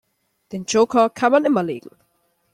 Den Joker kann man immer legen.